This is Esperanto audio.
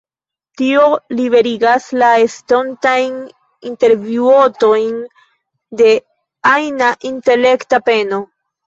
Tio liberigas la estontajn intervjuotojn de ajna intelekta peno.